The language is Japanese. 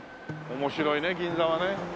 面白いね銀座はね。